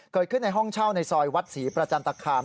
เกิดขึ้นในห้องเช่าในซอยวัดศรีประจันตราคาร์ม